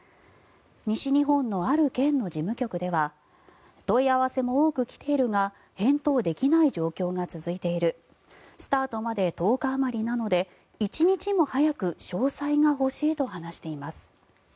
西日本のある県の事務局では問い合わせも多く来ているが返答できない状況が続いているスタートまで１０日あまりなので一日も早く詳細が欲しいと話しています。